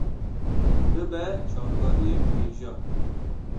bibe çavkaniyek hêja